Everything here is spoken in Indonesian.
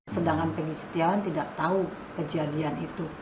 sedangkan pengisytiawan tidak tahu kejadian itu